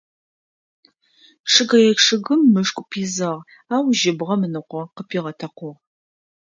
Чъыгэе чъыгым мышкӏу пизыгъ, ау жьыбгъэм ыныкъо къыпигъэтэкъугъ.